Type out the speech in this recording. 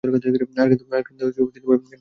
আর কিন্তু বেশি দেরি নেই।